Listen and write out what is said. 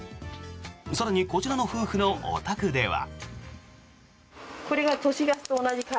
更にこちらの夫婦のお宅では。